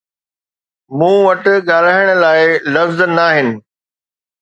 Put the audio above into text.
مون وٽ ڳالهائڻ لاءِ لفظ ناهن